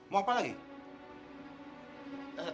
mau apa lagi